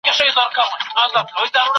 څه انګور او څه شراب څه میکدې سه